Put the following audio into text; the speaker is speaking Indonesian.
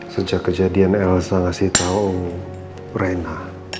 sejak kejadian elsa ngasih tau rena